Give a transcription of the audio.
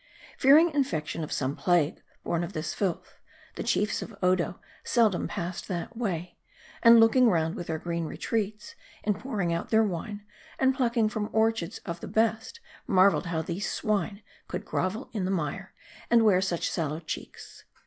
Fearing infection of some plague, born of this filth, the chiefs of Odo seldom passed that way ; and looking round within their green retreats, and pouring out their wine, and plucking from orchards of the best, mar veled how these swine could grovel in the mire, and wear such sallow cheeks.